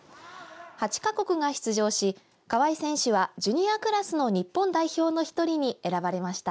８か国が出場し、川合選手はジュニアクラスの日本代表の１人に選ばれました。